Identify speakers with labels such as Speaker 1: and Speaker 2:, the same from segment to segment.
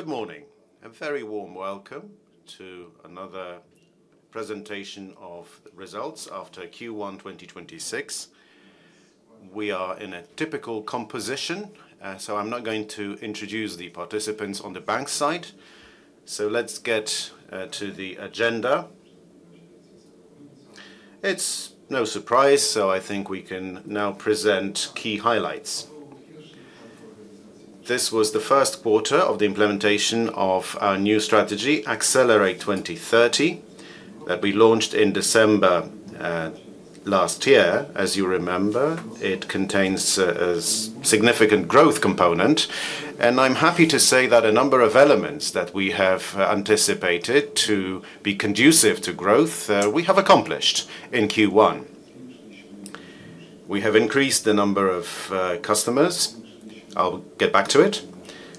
Speaker 1: Good morning, very warm welcome to another presentation of results after Q1 2026. We are in a typical composition, so I'm not going to introduce the participants on the bank side. Let's get to the agenda. It's no surprise, so I think we can now present key highlights. This was the first quarter of the implementation of our new strategy, Accelerate 2030, which we launched in December last year. As you remember, it contains a significant growth component, and I'm happy to say that a number of elements that we have anticipated to be conducive to growth, we have accomplished in Q1. We have increased the number of customers. I'll get back to it.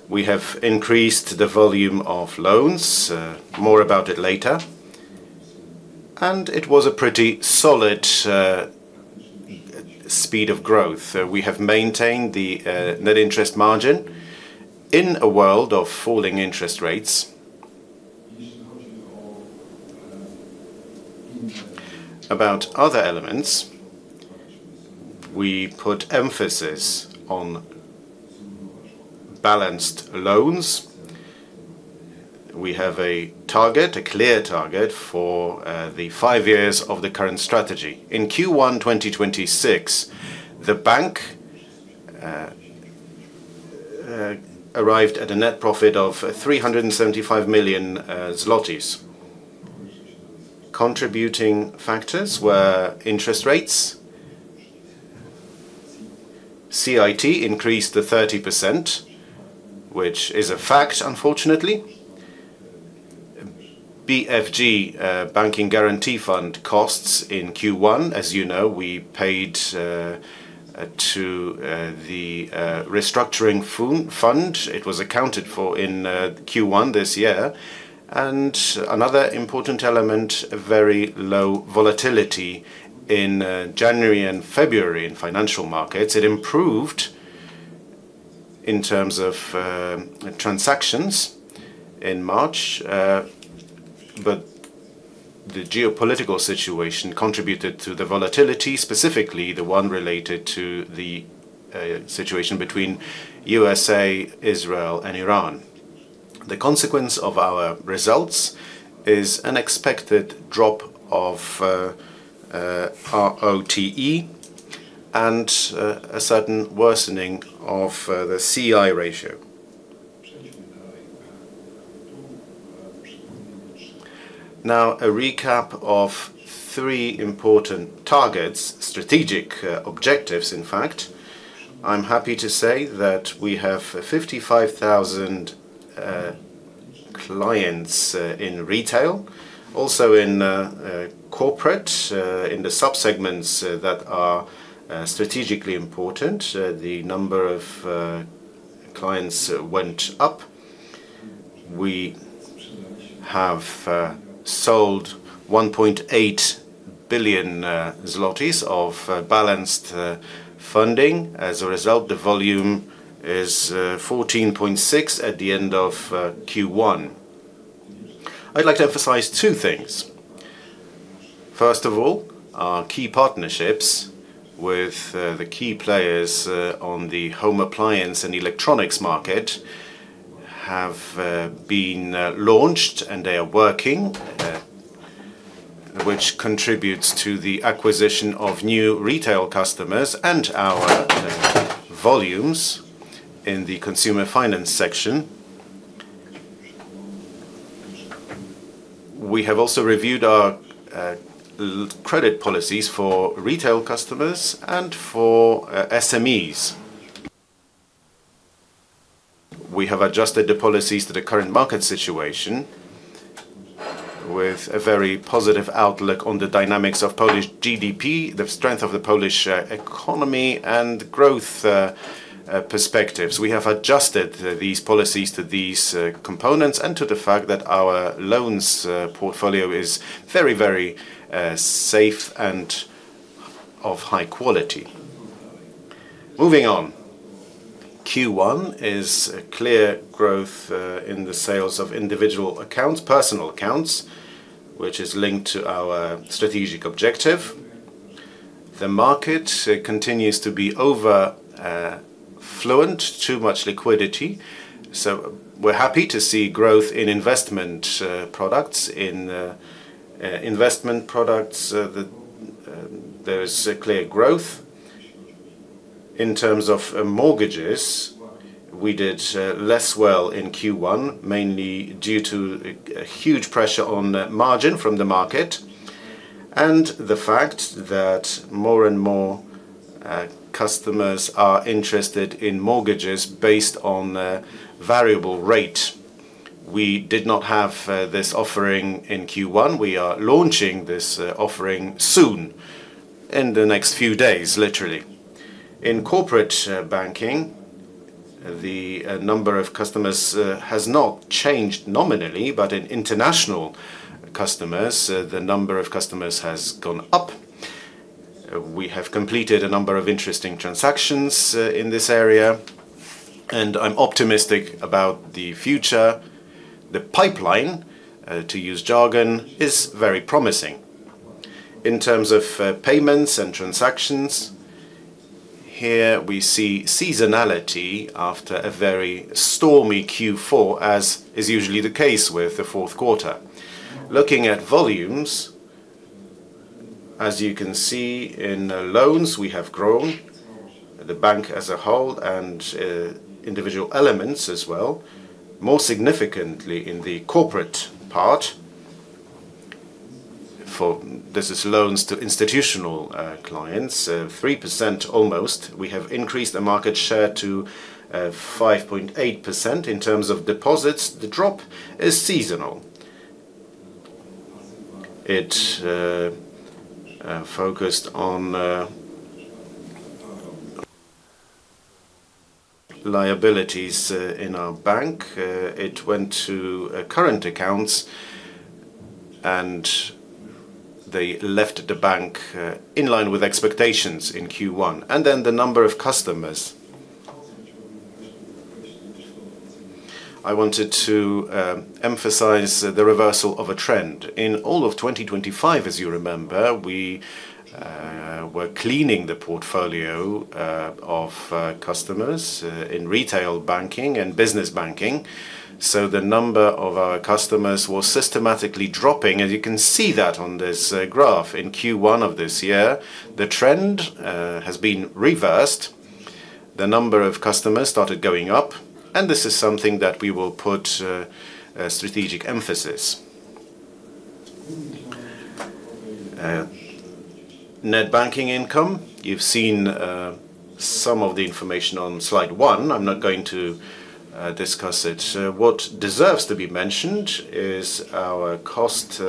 Speaker 1: We have increased the volume of loans; more about it later. It was a pretty solid speed of growth. We have maintained the net interest margin in a world of falling interest rates. About other elements, we put emphasis on balanced loans. We have a target, a clear target for the five years of the current strategy. In Q1 2026, the bank arrived at a net profit of 375 million zlotys. Contributing factors were interest rates. CIT increased to 30%, which is a fact, unfortunately. BFG, Bank Guarantee Fund costs in Q1, as you know, we paid to the restructuring fund. It was accounted for in Q1 this year. Another important element a very low volatility in January and February in financial markets. It improved in terms of transactions in March, but the geopolitical situation contributed to the volatility, specifically the one related to the situation between the USA, Israel, and Iran. The consequence of our results is an expected drop in ROTE and a certain worsening of the CI ratio. A recap of three important targets, strategic objectives, in fact. I'm happy to say that we have 55,000 clients in retail. Also in corporate, in the sub-segments that are strategically important, the number of clients went up. We have sold 1.8 billion zlotys of balanced funding. As a result, the volume is 14.6 at the end of Q1. I'd like to emphasize two things. First of all, our key partnerships with the key players on the home appliance and electronics market have been launched, and they are working, which contributes to the acquisition of new retail customers and our volumes in the consumer finance section. We have also reviewed our credit policies for retail customers and for SMEs. We have adjusted the policies to the current market situation with a very positive outlook on the dynamics of Polish GDP, the strength of the Polish economy, and growth perspectives. We have adjusted these policies to these components and to the fact that our loan portfolio is very, very safe and of high quality. Moving on. Q1 shows a clear growth in the sales of individual accounts, personal accounts, which is linked to our strategic objective. The market continues to be overfluent, with too much liquidity. We're happy to see growth in investment products. In investment products, there is clear growth. In terms of mortgages, we did less well in Q1, mainly due to huge pressure on margin from the market and the fact that more and more customers are interested in mortgages based on a variable rate. We did not have this offering in Q1. We are launching this offering soon, in the next few days, literally. In corporate banking, the number of customers has not changed nominally, but in international customers, the number of customers has gone up. We have completed a number of interesting transactions in this area, and I'm optimistic about the future. The pipeline, to use jargon, is very promising. In terms of payments and transactions, here we see seasonality after a very stormy Q4, as is usually the case with the fourth quarter. Looking at volumes, as you can see in loans, we have grown, the bank as a whole and individual elements as well, more significantly in the corporate part. This is loans to institutional clients. 3%, almost, we have increased the market share to 5.8%. In terms of deposits, the drop is seasonal. It focused on liabilities in our bank. It went to current accounts, and they left the bank in line with expectations in Q1. The number of customers. I wanted to emphasize the reversal of a trend. All of 2025, as you remember, we were cleaning the portfolio of customers in retail banking and business banking. The number of our customers was systematically dropping, and you can see that on this graph. In Q1 of this year, the trend has been reversed. The number of customers started going up, and this is something that we will put a strategic emphasis. Net banking income, you've seen some of the information on slide one. I'm not going to discuss it. What deserves to be mentioned is our cost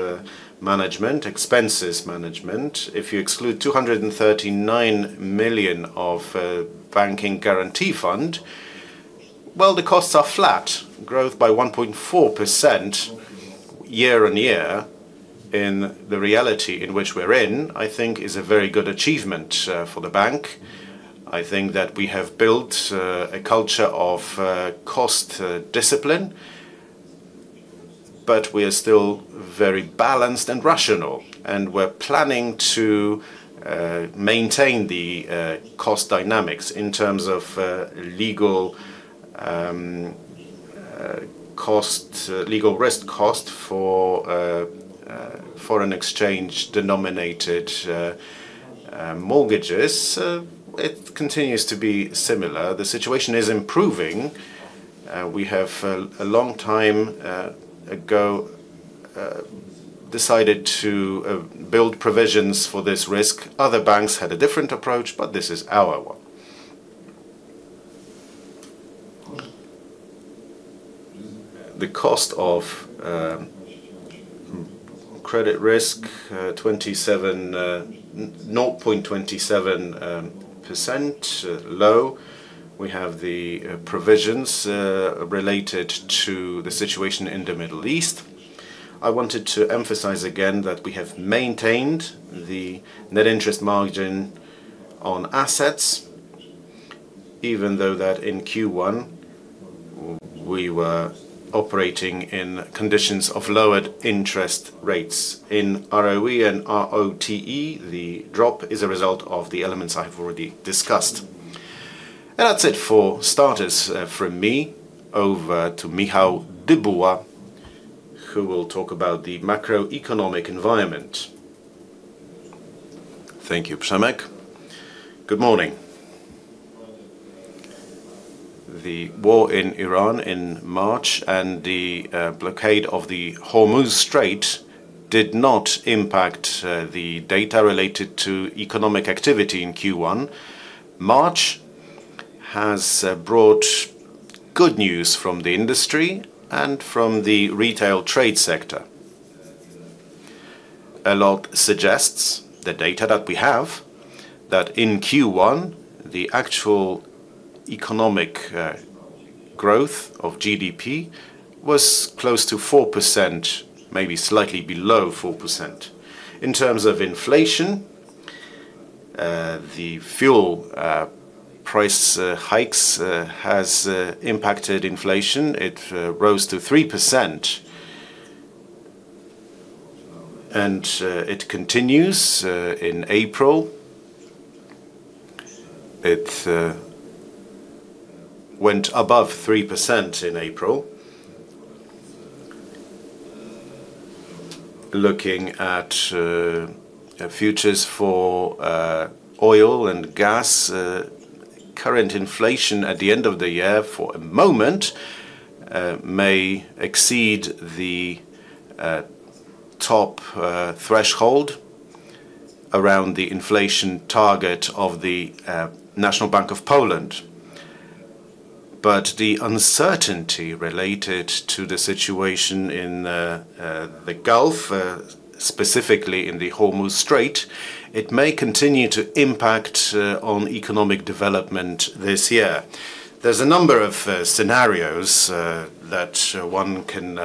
Speaker 1: management and expenses management. If you exclude 239 million of Bank Guarantee Fund, well, the costs are flat. Growth by 1.4% year-over-year in the reality in which we're in, I think, is a very good achievement for the bank. I think that we have built a culture of cost discipline, but we are still very balanced and rational. We're planning to maintain the cost dynamics in terms of legal cost and legal risk cost for foreign exchange-denominated mortgages. It continues to be similar. The situation is improving. We decided a long time ago to build provisions for this risk. Other banks had a different approach, but this is our one. The cost of credit risk is 27, 0.27% low. We have the provisions related to the situation in the Middle East. I wanted to emphasize again that we have maintained the net interest margin on assets, even though in Q1 we were operating in conditions of lowered interest rates. In ROE and ROTE, the drop is a result of the elements I have already discussed. That's it for starters from me. Over to Michał Dybuła, who will talk about the macroeconomic environment.
Speaker 2: Thank you, Przemek. Good morning. The war in Iran in March and the blockade of the Hormuz Strait did not impact the data related to economic activity in Q1. March has brought good news from the industry and from the retail trade sector. A lot suggests that the data that we have, in Q1, the actual economic growth of GDP was close to 4%, maybe slightly below 4%. In terms of inflation, the fuel price hikes have impacted inflation. It rose to 3%. It continues in April. It went above 3% in April. Looking at futures for oil and gas, current inflation at the end of the year, for a moment, may exceed the top threshold around the inflation target of the National Bank of Poland. The uncertainty related to the situation in the Gulf, specifically in the Hormuz Strait, may continue to impact economic development this year. There's a number of scenarios that one can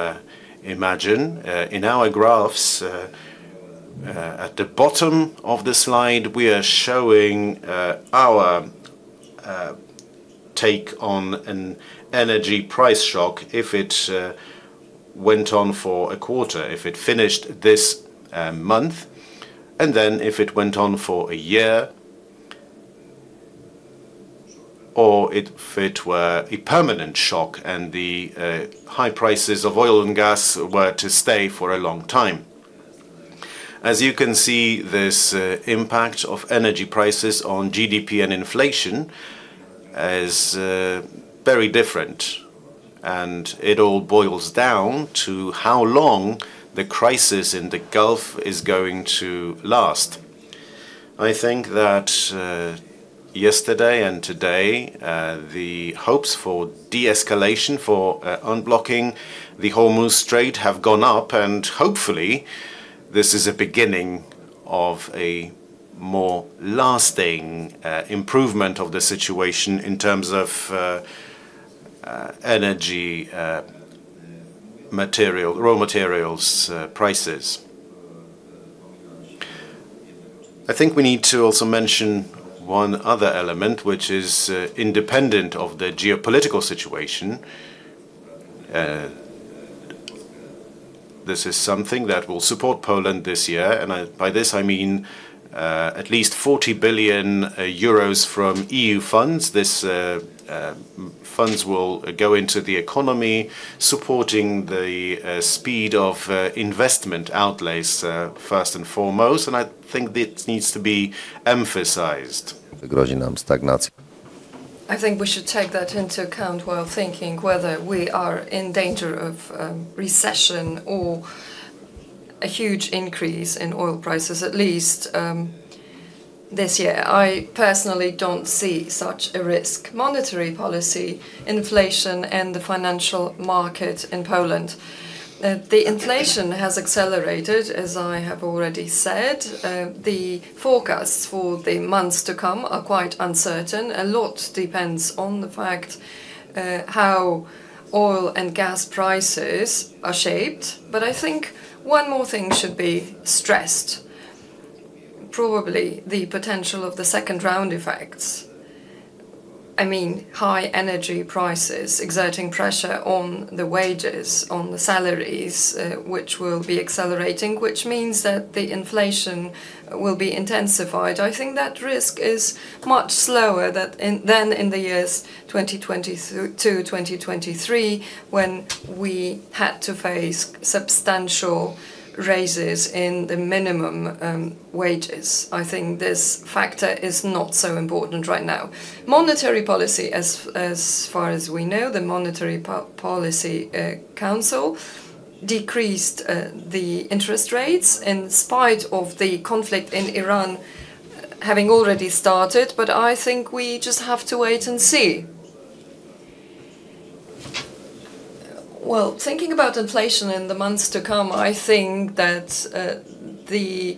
Speaker 2: imagine. In our graphs, at the bottom of the slide, we are showing our take on an energy price shock if it went on for a quarter, if it finished this month, and then if it went on for a year, or if it were a permanent shock and the high prices of oil and gas were to stay for a long time. As you can see, the impact of energy prices on GDP and inflation is very different, and it all boils down to how long the crisis in the Gulf is going to last. I think that yesterday and today, the hopes for de-escalation, for unblocking the Hormuz Strait, have gone up. Hopefully, this is the beginning of a more lasting improvement of the situation in terms of energy, raw materials, and prices. I think we also need to mention one other element, which is independent of the geopolitical situation. This is something that will support Poland this year, and by this, I mean at least 40 billion euros from EU funds. These funds will go into the economy, supporting the speed of investment outlays, first and foremost, and I think this needs to be emphasized. I think we should take that into account while thinking whether we are in danger of recession or a huge increase in oil prices, at least this year. I personally don't see such a risk. Monetary policy, inflation, and the financial market in Poland. The inflation has accelerated, as I have already said. The forecasts for the months to come are quite uncertain. A lot depends on the fact how oil and gas prices are shaped. I think one more thing should be stressed. Probably the potential of the second-round effects. I mean, high energy prices exerting pressure on wages on the salaries, which will accelerate, which means that inflation will be intensified. I think that risk is much slower than in the years 2022 and 2023, when we had to face substantial raises in the minimum wages. I think this factor is not so important right now. Monetary policy, as far as we know, the Monetary Policy Council decreased the interest rates in spite of the conflict in Iran having already started. I think we just have to wait and see. Well, thinking about inflation in the months to come, I think that the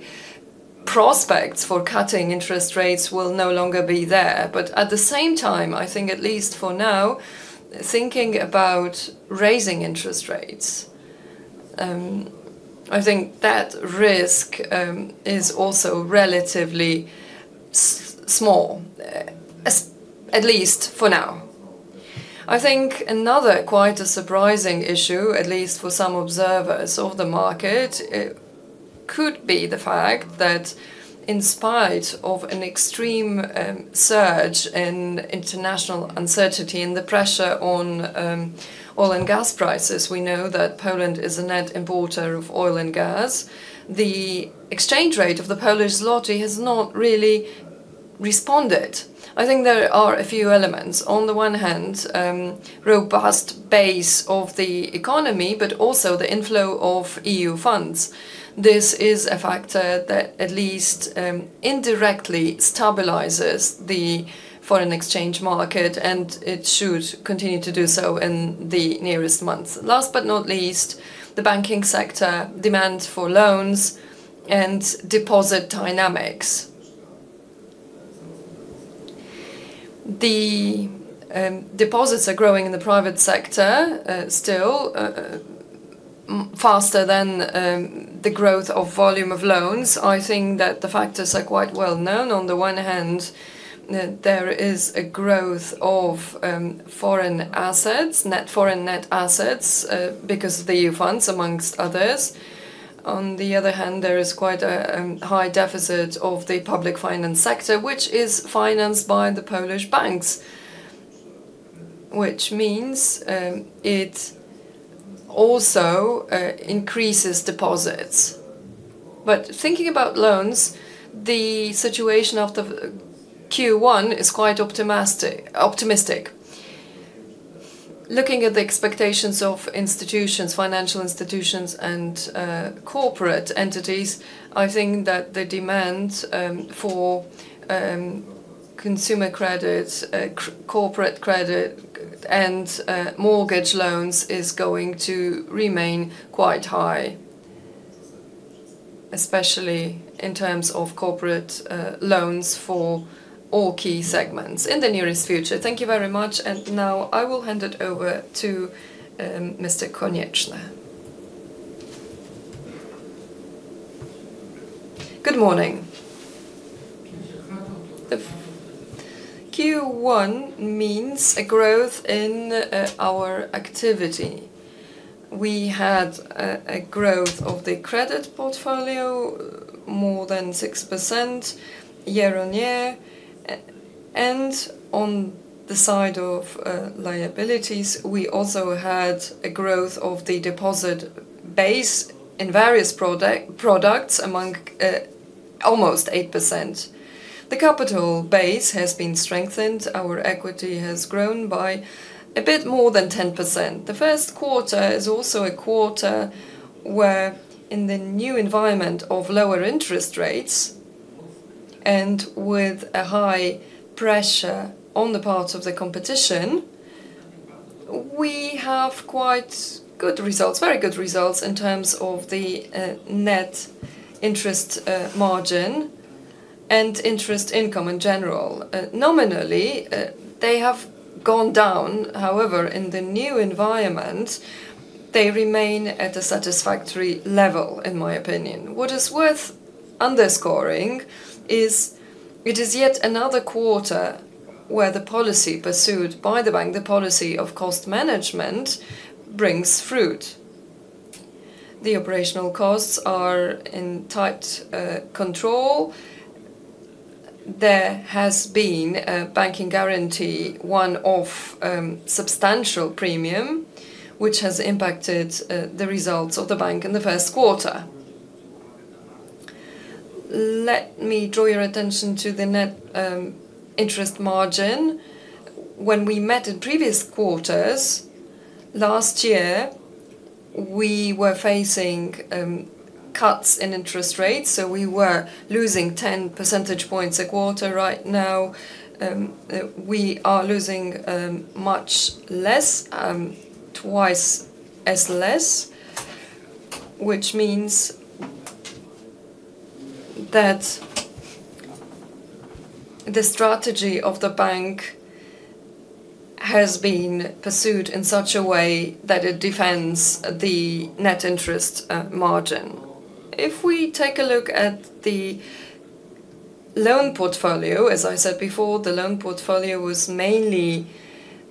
Speaker 2: prospects for cutting interest rates will no longer be there. At the same time, I think at least for now, thinking about raising interest rates, I think that risk is also relatively small, at least for now. I think another quite a surprising issue, at least for some observers of the market, it could be the fact that in spite of an extreme surge in international uncertainty and the pressure on oil and gas prices, we know that Poland is a net importer of oil and gas. The exchange rate of the Polish zloty has not really responded. I think there are a few elements. On the one hand, a robust base of the economy, and the inflow of EU funds. This is a factor that at least indirectly stabilizes the foreign exchange market, and it should continue to do so in the near months. Last but not least, the banking sector demand for loans and deposit dynamics. The deposits are growing in the private sector, still faster than the growth of the volume of loans. I think that the factors are quite well-known. On the one hand, there is a growth of foreign assets, net foreign assets, because of the EU funds, amongst others. On the other hand, there is quite a high deficit of the public finance sector, which is financed by the Polish banks, which means it also increases deposits. Thinking about loans, the situation after Q1 is quite optimistic. Looking at the expectations of institutions, financial institutions, and corporate entities, I think that the demand for consumer credit, corporate credit, and mortgage loans is going to remain quite high, especially in terms of corporate loans for all key segments in the near future. Thank you very much. Now I will hand it over to Mr. Konieczny.
Speaker 3: Good morning. The Q1 means a growth in our activity. We had a growth of the credit portfolio of more than 6% year-on-year. And on the side of liabilities, we also had a growth of the deposit base in various products, by almost 8%. The capital base has been strengthened. Our equity has grown by a bit more than 10%. The first quarter is also a quarter where in the new environment of lower interest rates and with high pressure on the part of the competition, we have quite good results, very good results in terms of the net interest margin and interest income in general. Nominally, they have gone down. However, in the new environment, they remain at a satisfactory level in my opinion. What is worth underscoring is it is yet another quarter where the policy pursued by the bank, the policy of cost management, brings fruit. The operational costs are in tight control. There has been a banking guarantee, a one-off, substantial premium, which has impacted the results of the bank in the first quarter. Let me draw your attention to the net interest margin. When we met in previous quarters, last year, we were facing cuts in interest rates, so we were losing 10 percentage points a quarter. Right now, we are losing much less, twice as less, which means that the strategy of the bank has been pursued in such a way that it defends the net interest margin. If we take a look at the loan portfolio, as I said before, the loan portfolio was mainly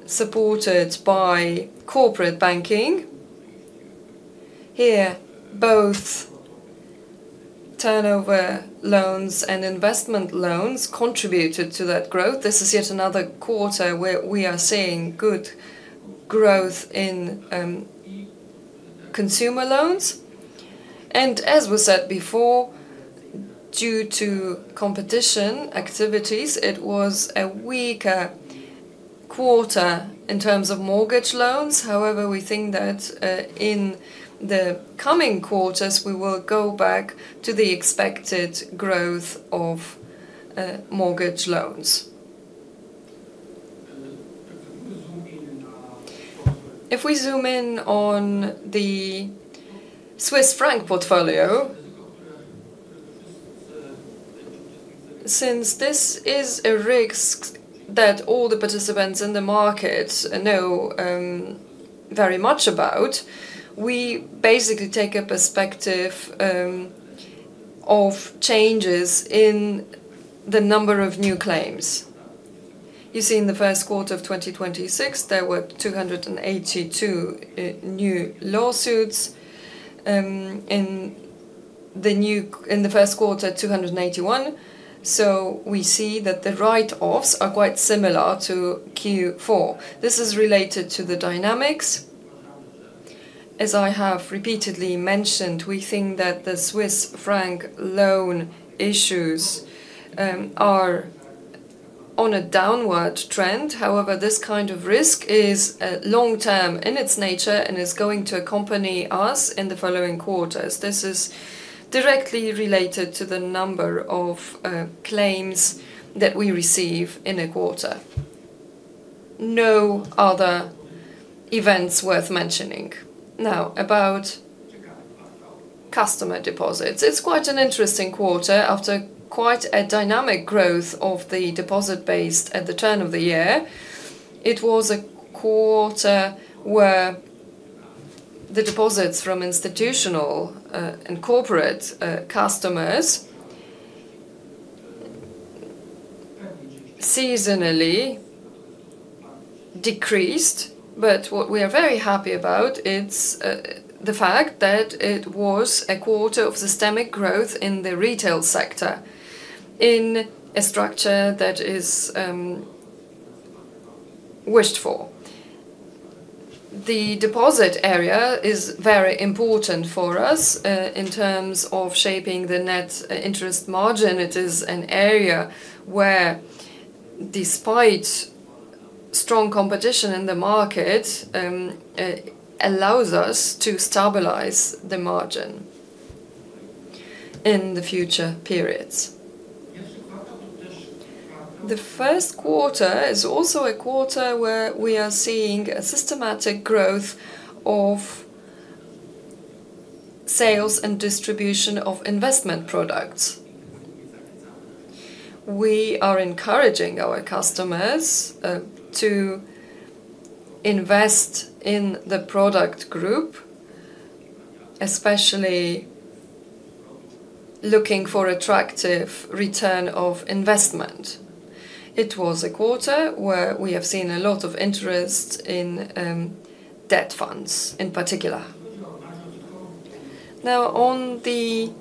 Speaker 3: supported by corporate banking. Here, both turnover loans and investment loans contributed to that growth. This is yet another quarter where we are seeing good growth in consumer loans. As we said before, due to competition activities, it was a weaker quarter in terms of mortgage loans. We think that in the coming quarters, we will go back to the expected growth of mortgage loans. If we zoom in on the Swiss franc portfolio, since this is a risk that all the participants in the market know very much about, we basically take a perspective of changes in the number of new claims. You see, in the first quarter of 2026, there were 282 new lawsuits. In the first quarter, 281. We see that the write-offs are quite similar to Q4. This is related to the dynamics. As I have repeatedly mentioned, we think that the Swiss franc loan issues are on a downward trend. However, this kind of risk is long-term in its nature and is going to accompany us in the following quarters. This is directly related to the number of claims that we receive in a quarter. No other events worth mentioning. Now, about customer deposits. It's quite an interesting quarter. After quite a dynamic growth of the deposit base at the turn of the year, it was a quarter where the deposits from institutional and corporate customers seasonally decreased. What we are very happy about, it's the fact that it was a quarter of systemic growth in the retail sector in a structure that is wished for. The deposit area is very important for us in terms of shaping the net interest margin. It is an area where despite strong competition in the market, allows us to stabilize the margin in the future periods. The first quarter is also a quarter where we are seeing a systematic growth of sales and distribution of investment products. We are encouraging our customers to invest in the product group, especially looking for attractive return of investment. It was a quarter where we have seen a lot of interest in debt funds in particular. On the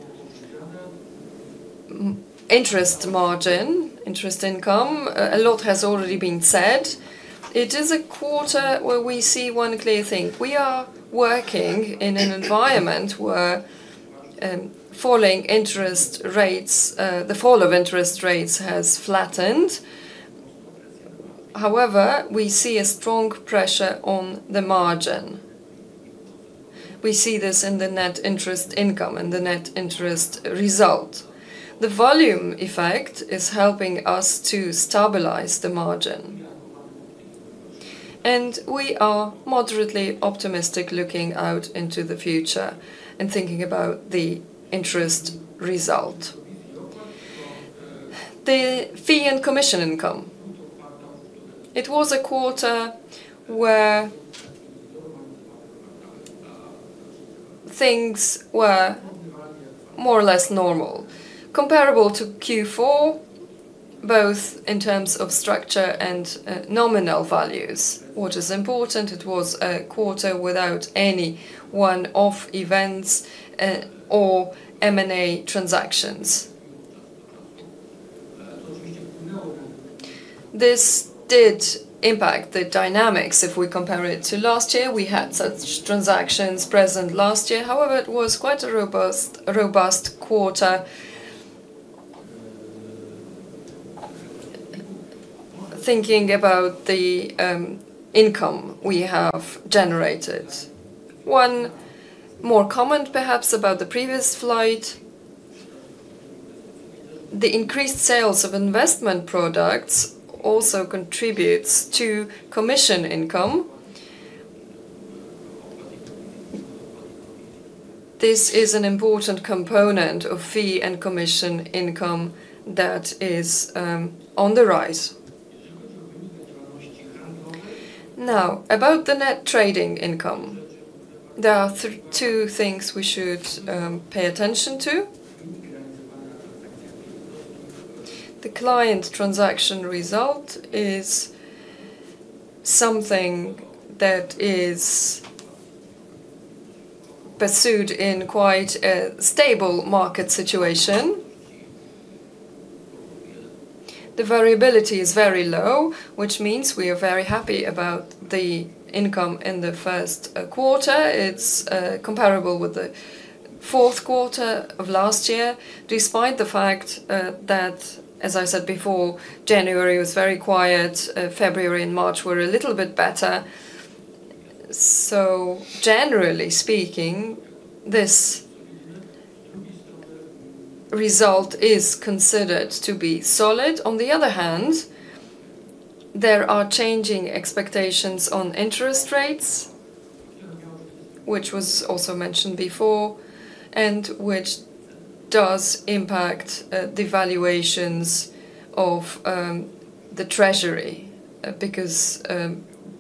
Speaker 3: interest margin, interest income, a lot has already been said. It is a quarter where we see one clear thing. We are working in an environment where falling interest rates, the fall of interest rates has flattened. We see a strong pressure on the margin. We see this in the net interest income and the net interest result. The volume effect is helping us to stabilize the margin. We are moderately optimistic looking out into the future and thinking about the interest result. The fee and commission income, it was a quarter where things were more or less normal, comparable to Q4, both in terms of structure and nominal values. What is important, it was a quarter without any one-off events or M&A transactions. This did impact the dynamics. If we compare it to last year, we had such transactions present last year. However, it was quite a robust quarter. Thinking about the income we have generated. One more comment perhaps about the previous slide. The increased sales of investment products also contributes to commission income. This is an important component of fee and commission income that is on the rise. Now, about the net trading income, there are two things we should pay attention to. The client transaction result is something that is pursued in quite a stable market situation. The variability is very low, which means we are very happy about the income in the first quarter. It's comparable with the fourth quarter of last year, despite the fact that, as I said before, January was very quiet. February and March were a little bit better. Generally speaking, this result is considered to be solid. On the other hand, there are changing expectations on interest rates, which was also mentioned before, and which does impact the valuations of the treasury, because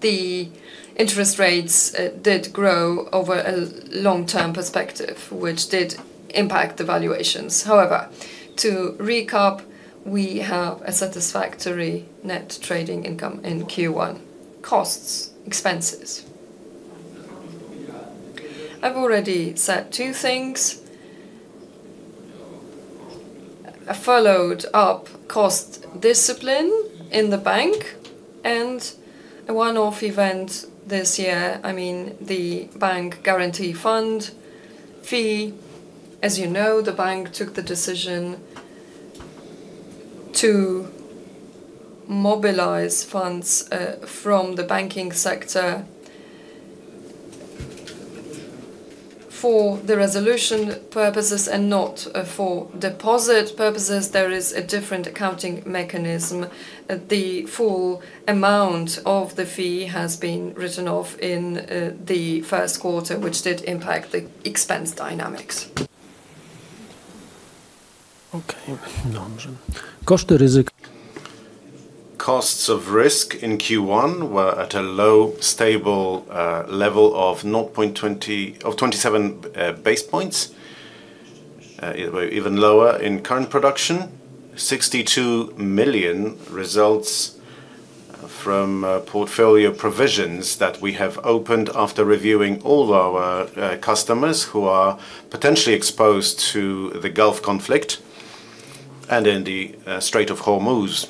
Speaker 3: the interest rates did grow over a long-term perspective, which did impact the valuations. However, to recap, we have a satisfactory net trading income in Q1. Costs, expenses. I've already said two things. A follow-up cost discipline in the bank and a one-off event this year, I mean, the Bank Guarantee Fund fee. As you know, the bank took the decision to mobilize funds from the banking sector for resolution purposes and not for deposit purposes. There is a different accounting mechanism. The full amount of the fee has been written off in the first quarter, which did impact the expense dynamics. Okay. Costs of risk in Q1 were at a low, stable level of 0.20, of 27 basis points. It was even lower in current production. 62 million results from portfolio provisions that we have opened after reviewing all our customers who are potentially exposed to the Gulf conflict and in the Strait of Hormuz.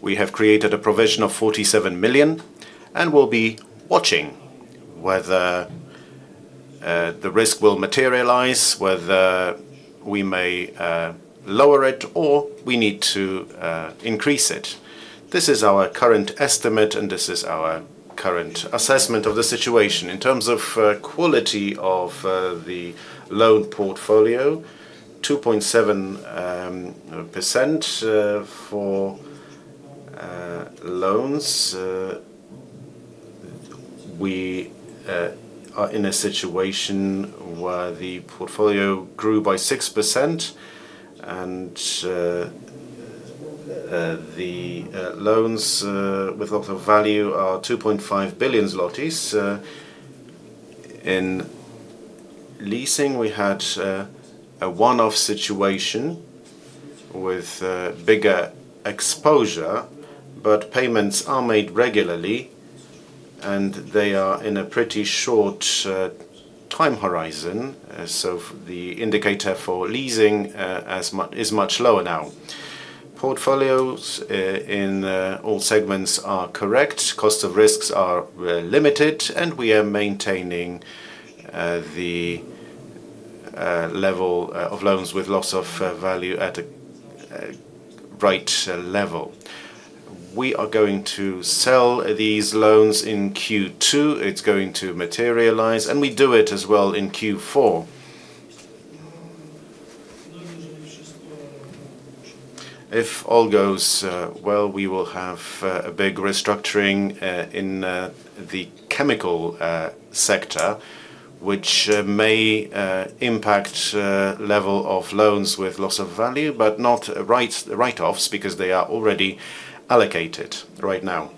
Speaker 3: We have created a provision of 47 million, and we'll be watching whether the risk will materialize, whether we may lower it, or we need to increase it. This is our current estimate, and this is our current assessment of the situation. In terms of quality of the loan portfolio, 2.7% for loans. We are in a situation where the portfolio grew by 6% and the loans with loss of value are 2.5 billion zlotys. In leasing, we had a one-off situation with bigger exposure, but payments are made regularly, and they are in a pretty short time horizon. The indicator for leasing is much lower now. Portfolios in all segments are correct. Cost of risks are limited, and we are maintaining the level of loans with loss of value at a right level. We are going to sell these loans in Q2. It's going to materialize, and we do it as well in Q4. All goes well, we will have a big restructuring in the chemical sector, which may impact the level of loans with loss of value, but not write-offs, because they are already allocated right now.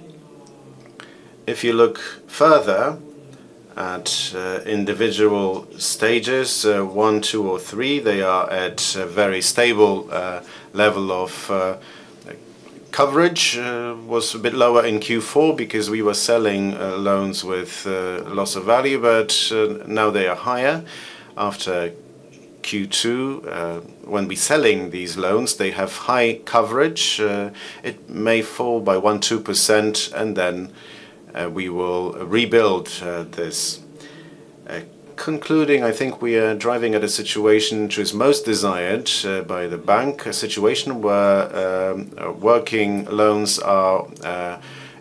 Speaker 3: You look further at individual stages one, two, or three, and they are at a very stable level of coverage. Was a bit lower in Q4 because we were selling loans with loss of value, but now they are higher after Q2. When we sell these loans, they have high coverage. It may fall by one, 2%, and then we will rebuild this. Concluding, I think we are driving at a situation which is most desired by the bank, a situation where working loans are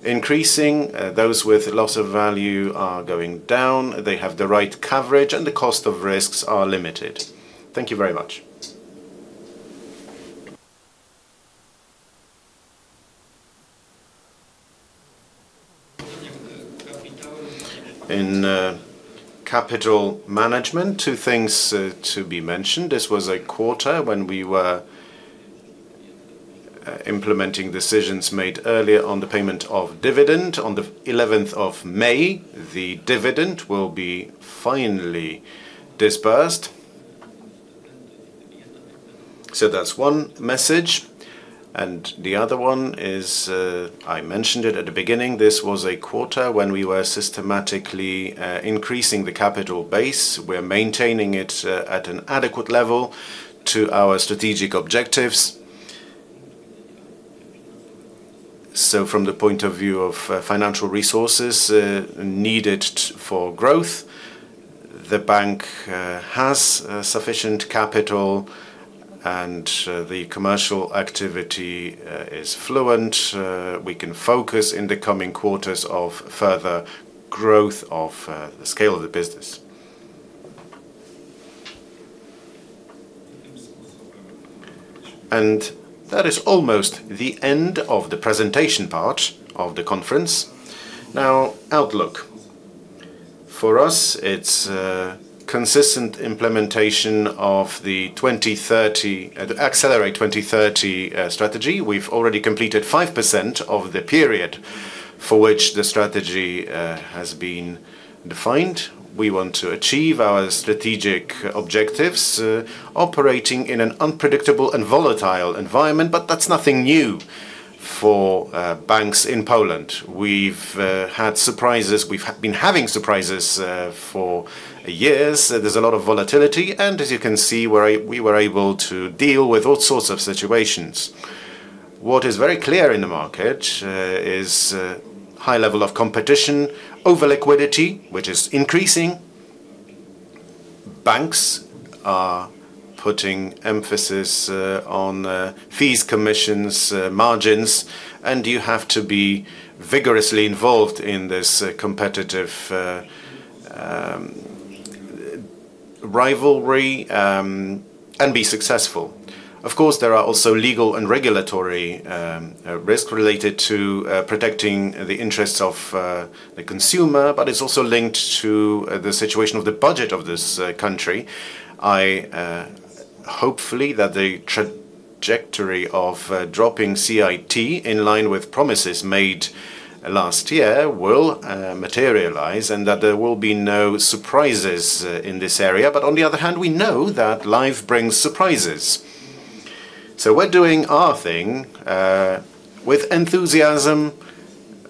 Speaker 3: increasing. Those with loss of value are going down. They have the right coverage, and the cost of risks is limited. Thank you very much. In capital management, two things to be mentioned. This was a quarter when we were implementing decisions made earlier on the payment of dividends. On May 11th, the dividend will finally be disbursed. That's one message, the other one is what I mentioned at the beginning. This was a quarter when we were systematically increasing the capital base. We're maintaining it at an adequate level to our strategic objectives. From the point of view of financial resources needed for growth, the bank has sufficient capital, and the commercial activity is fluent. We can focus on the coming quarters on further growth of the scale of the business. That is almost the end of the presentation part of the conference. Now, outlook. For us, it's the consistent implementation of the 2030 Accelerate 2030 strategy. We've already completed 5% of the period for which the strategy has been defined. We want to achieve our strategic objectives, operating in an unpredictable and volatile environment, but that's nothing new for banks in Poland. We've had surprises. We've been having surprises for years. There's a lot of volatility and, as you can see, we were able to deal with all sorts of situations. What is very clear in the market is a high level of competition, over liquidity, which is increasing. Banks are putting emphasis on fees, commissions, and margins, and you have to be vigorously involved in this competitive rivalry and be successful. Of course, there are also legal and regulatory risks related to protecting the interests of the consumer, but it's also linked to the situation of the budget of this country. I hope that the trajectory of dropping CIT in line with promises made last year will materialize and that there will be no surprises in this area. On the other hand, we know that life brings surprises. We're doing our thing with enthusiasm,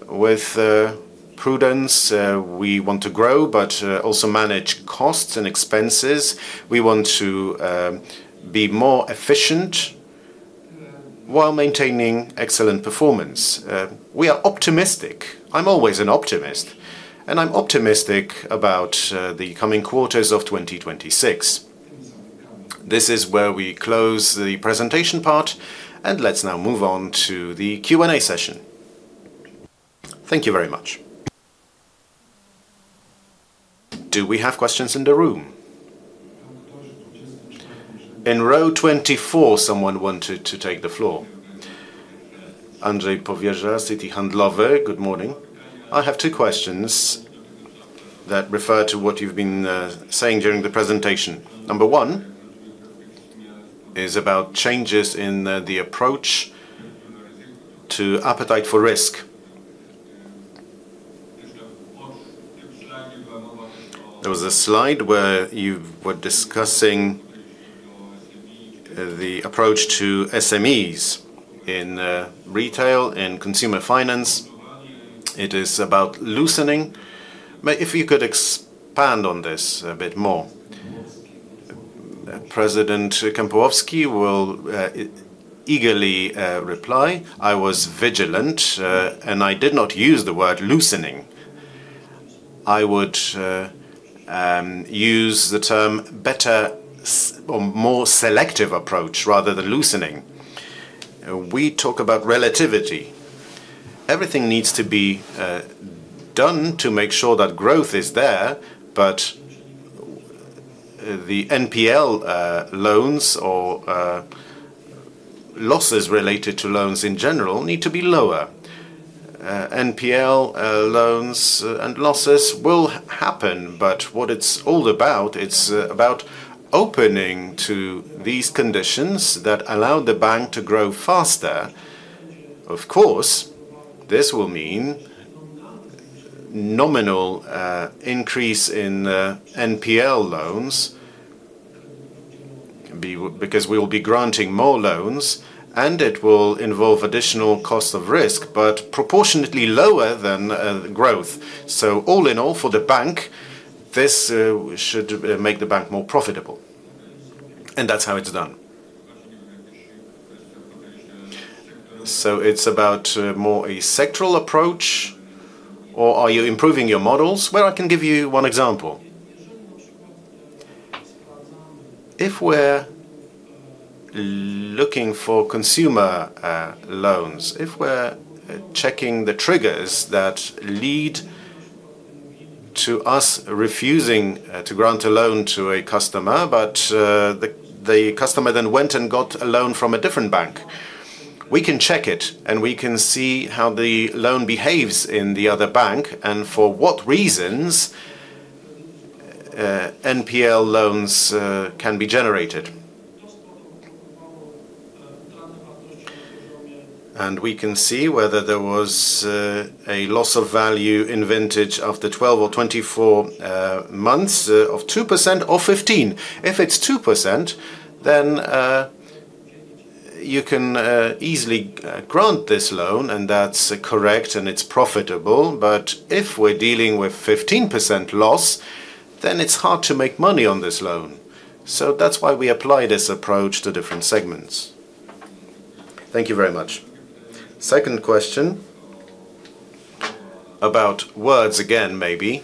Speaker 3: with prudence. We want to grow, but also manage costs and expenses. We want to be more efficient while maintaining excellent performance. We are optimistic. I'm always an optimist. I'm optimistic about the coming quarters of 2026. This is where we close the presentation part. Let's now move on to the Q&A session. Thank you very much. Do we have questions in the room? In row 24, someone wanted to take the floor. Andrzej Powierża, Citi Handlowy.
Speaker 4: Good morning. I have two questions that refer to what you've been saying during the presentation. Number one is about changes in the approach to appetite for risk. There was a slide where you were discussing the approach to SMEs in retail and consumer finance. It is about loosening. If you could expand on this a bit more.
Speaker 1: President Kembłowski will eagerly reply. I was vigilant. I did not use the word loosening. I would use the term better or more selective approach rather than loosening. We talk about relativity. Everything needs to be done to make sure that growth is there, but the NPL loans or losses related to loans in general need to be lower. NPL loans and losses will happen, but what it's all about it's about opening to these conditions that allow the bank to grow faster. Of course, this will mean a nominal increase in NPL loans because we will be granting more loans, and it will involve additional costs of risk, but proportionately lower than the growth. All in all, for the bank, this should make the bank more profitable. That's how it's done.
Speaker 4: It's more about a sectoral approach, or are you improving your models?
Speaker 3: I can give you one example. We're looking for consumer loans. If we're checking the triggers that lead to us refusing to grant a loan to a customer, the customer then went and got a loan from a different bank. We can check it, we can see how the loan behaves in the other bank, and for what reasons NPL loans can be generated. We can see whether there was a loss of value in the vintage of 12 or 24 months of 2% or 15%. It's 2%, you can easily grant this loan, and that's correct, and it's profitable. If we're dealing with 15% loss, it's hard to make money on this loan. That's why we apply this approach to different segments.
Speaker 4: Thank you very much. Second question about words again, maybe,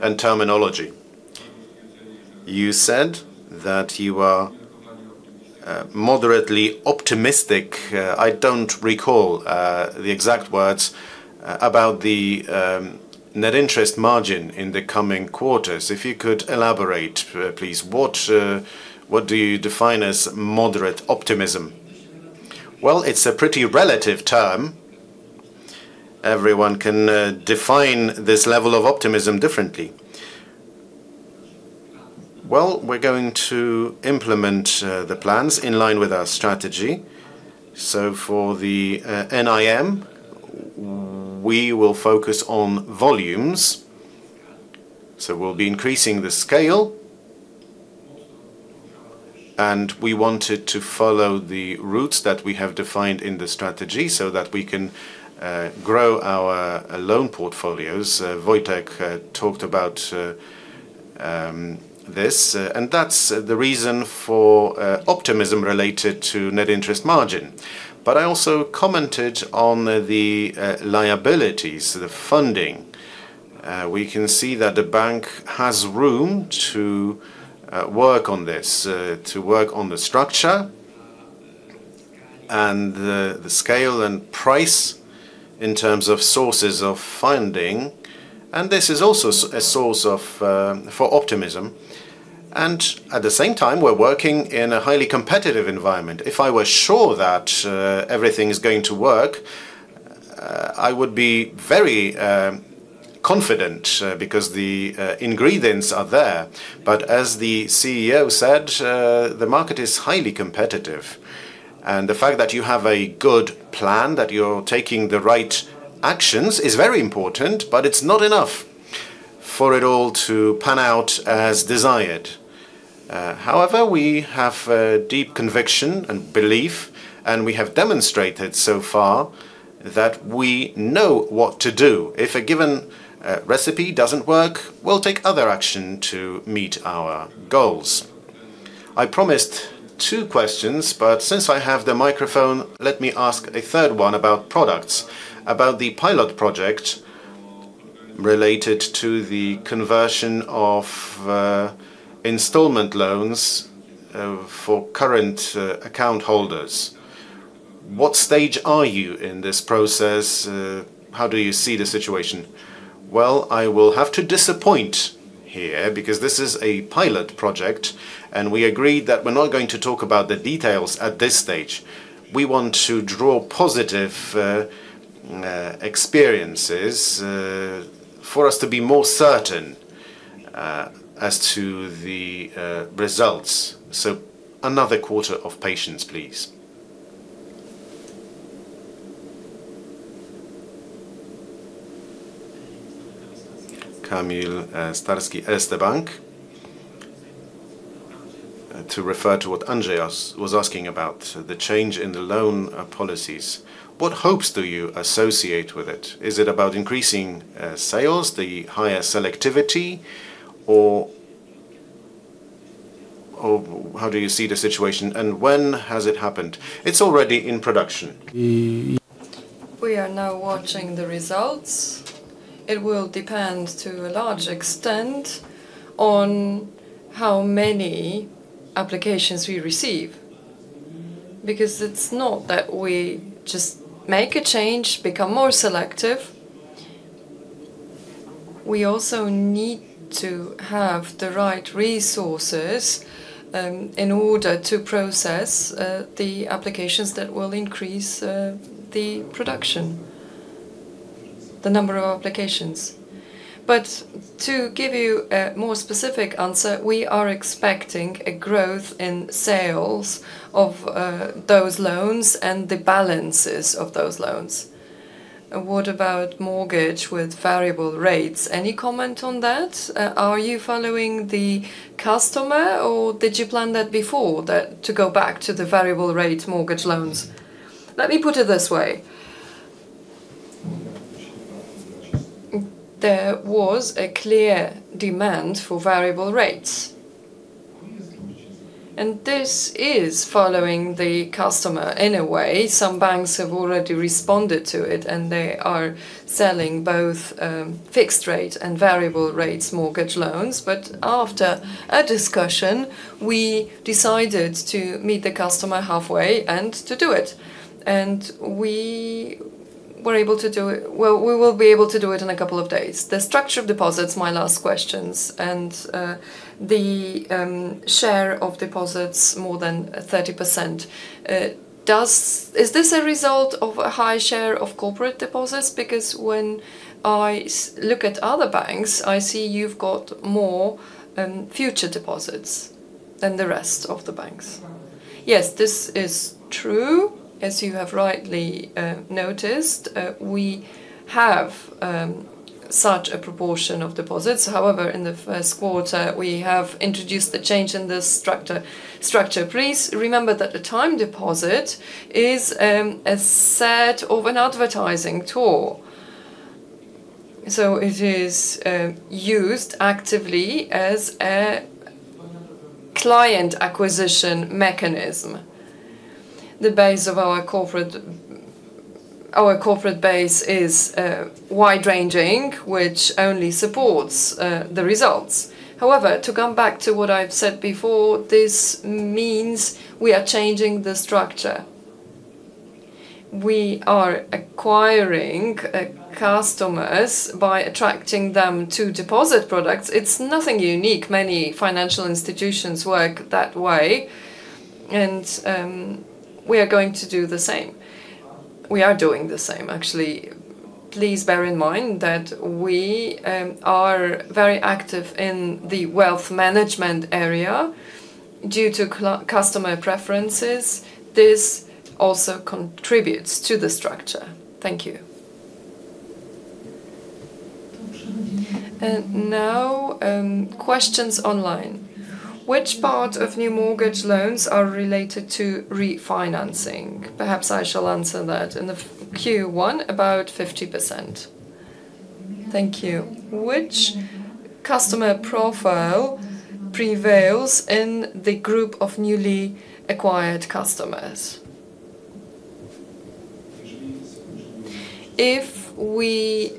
Speaker 4: and terminology. You said that you are moderately optimistic, I don't recall the exact words, about the net interest margin in the coming quarters. If you could elaborate, please, what do you define as moderate optimism?
Speaker 3: Well, it's a pretty relative term. Everyone can define this level of optimism differently. Well, we're going to implement the plans in line with our strategy. For the NIM, we will focus on volumes. We'll be increasing the scale. We wanted to follow the routes that we have defined in the strategy so that we can grow our loan portfolios. Wojtek talked about this, and that's the reason for optimism related to net interest margin. I also commented on the liabilities and the funding. We can see that the bank has room to work on this, to work on the structure, the scale, and the price in terms of sources of funding. This is also a source of r optimism. At the same time, we're working in a highly competitive environment. If I were sure that everything was going to work, I would be very confident, because the ingredients are there. As the CEO said, the market is highly competitive. The fact that you have a good plan, that you're taking the right actions, is very important, but it's not enough for it all to pan out as desired. However, we have a deep conviction and belief, and we have demonstrated so far that we know what to do. If a given recipe doesn't work, we'll take other action to meet our goals.
Speaker 4: I promised two questions. Since I have the microphone, let me ask a third one about products, about the pilot project related to the conversion of installment loans for current account holders. What stage are you in this process? How do you see the situation?
Speaker 3: Well, I will have to disappoint you here because this is a pilot project, and we agreed that we're not going to talk about the details at this stage. We want to draw on positive experiences for us to be more certain as to the results. Another quarter of patience, please. Kamil Stolarski, Santander Bank Polska.
Speaker 5: To refer to what Andrzej was asking about, the change in the loan policies. What hopes do you associate with it? Is it about increasing sales, the higher selectivity, or how do you see the situation? When has it happened? It's already in production.
Speaker 3: We are now watching the results. It will depend to a large extent on how many applications we receive. Because it's not that we just make a change, but become more selective. We also need to have the right resources, in order to process the applications that will increase the production, the number of applications. To give you a more specific answer, we are expecting a growth in sales of those loans and the balances of those loans. What about a mortgage with variable rates? Any comment on that? Are you following the customer, or did you plan that before, to go back to the variable rate mortgage loans? Let me put it this way. There was a clear demand for variable rates. This is following the customer in a way. Some banks have already responded to it. They are selling both fixed-rate and variable-rate mortgage loans. After a discussion, we decided to meet the customer halfway and to do it. We were able to do it. Well, we will be able to do it in a couple of days.
Speaker 5: The structure of deposits, my last question, and the share of deposits more than 30%. Is this a result of a high share of corporate deposits? When I look at other banks, I see you've got more term deposits than the rest of the banks.
Speaker 3: Yes, this is true. As you have rightly noticed, we have such a proportion of deposits. However, in the first quarter, we introduced a change in the structure. Please remember that a time deposit is a set of advertising tools. It is used actively as a client acquisition mechanism. The base of our corporate base is wide-ranging, which only supports the results. However, to come back to what I've said before, this means we are changing the structure. We are acquiring customers by attracting them to deposit products. It's nothing unique. Many financial institutions work that way. We are going to do the same. We are doing the same, actually. Please bear in mind that we are very active in the wealth management area due to customer preferences. This also contributes to the structure. Thank you. Now, questions online. Which part of new mortgage loans are related to refinancing? Perhaps I shall answer that. In Q1, about 50%. Thank you. Which customer profile prevails in the group of newly acquired customers? If we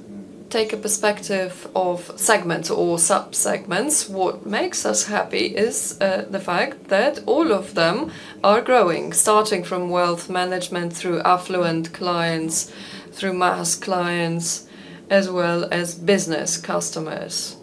Speaker 3: take a perspective of segments or sub-segments, what makes us happy is the fact that all of them are growing, starting from wealth management through affluent clients, through mass clients, as well as business customers,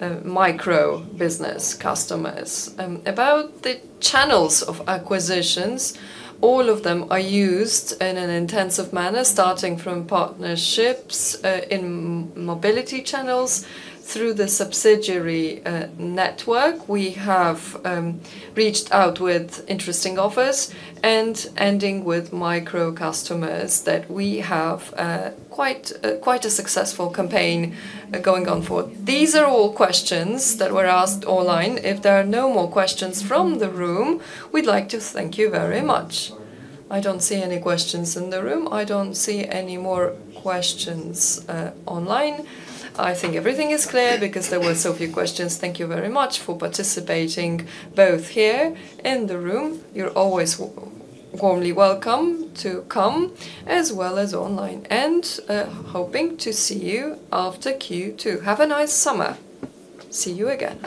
Speaker 3: and micro business customers. About the channels of acquisitions, all of them are used in an intensive manner, starting from partnerships in mobility channels through the subsidiary network. We have reached out with interesting offers and are ending with micro customers that we have quite a successful campaign going on. These are all questions that were asked online. If there are no more questions from the room, we'd like to thank you very much. I don't see any questions in the room. I don't see any more questions online. I think everything is clear because there were so few questions. Thank you very much for participating both here in the room. You're always warmly welcome to come, as well as online. Hoping to see you after Q2. Have a nice summer. See you again.